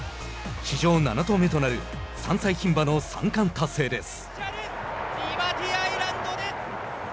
史上７頭目となる３歳ひん馬の三冠達成です。